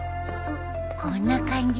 こんな感じ？